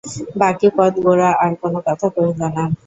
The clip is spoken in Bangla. বাকি পথ গোরা আর কোনো কথা কহিল না।